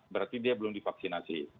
berarti dia belum divaksinasi